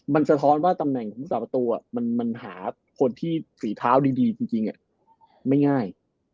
มันสะท้อนว่าตำแหน่งของผู้สาประตูมันหาคนที่ฝีเท้าดีจริงไม่ง่าย